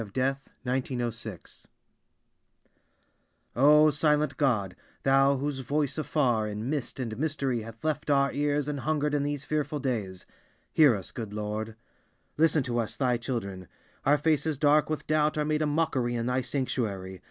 1922. A Litany of Atlanta O SILENT GOD, Thou whose voice afar in mist and mystery hath left our ears an hungered in these fearful days—Hear us, good Lord! Listen to us, Thy children: our faces dark with doubt are made a mockery in Thy sanctuary.